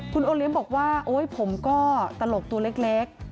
คุณโอเลี้ยงบอกว่าโอ๊ยผมก็ตลกตัวเล็ก